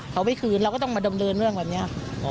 เขาไม่คืนเราก็ต้องมาดำเนินเรื่องแบบนี้